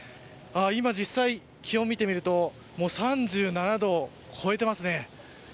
今実際、気温を見てみると３７度を超えていますね。